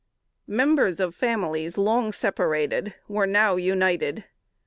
Members of families long separated were now united.